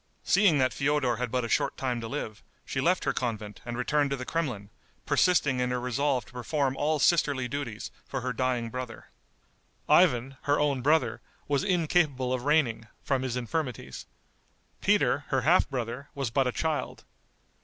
Seeing that Feodor had but a short time to live, she left her convent and returned to the Kremlin, persisting in her resolve to perform all sisterly duties for her dying brother. Ivan, her own brother, was incapable of reigning, from his infirmities. Peter, her half brother, was but a child.